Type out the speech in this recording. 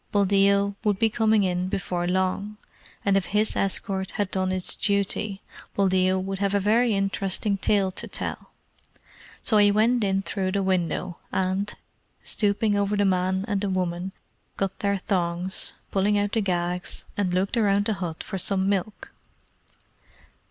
Buldeo would be coming in before long, and if his escort had done its duty, Buldeo would have a very interesting tale to tell. So he went in through the window, and, stooping over the man and the woman, cut their thongs, pulling out the gags, and looked round the hut for some milk.